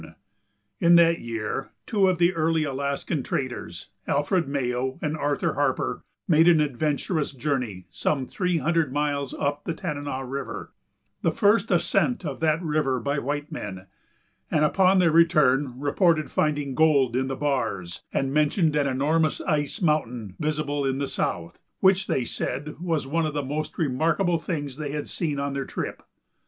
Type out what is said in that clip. [Sidenote: Harper, Densmore, Dickey] In that year two of the early Alaskan traders, Alfred Mayo and Arthur Harper, made an adventurous journey some three hundred miles up the Tanana River, the first ascent of that river by white men, and upon their return reported finding gold in the bars and mentioned an enormous ice mountain visible in the south, which they said was one of the most remarkable things they had seen on their trip.